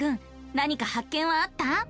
なにか発見はあった？